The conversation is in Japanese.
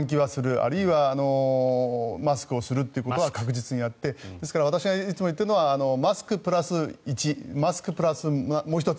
あるいはマスクをするということは確実にやってですから私がいつも言っているのはマスクプラス１マスクプラスもう１つ